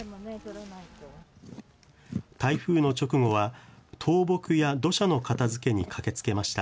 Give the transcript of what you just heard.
台風の直後は倒木や土砂の片づけに駆けつけました。